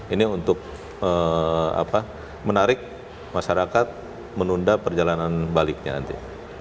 ini untuk menarik masyarakat menunda perjalanan baliknya nanti